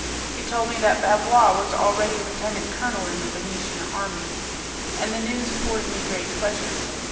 He told me that Bavois was already lieutenant colonel in the Venetian army, and the news afforded me great pleasure.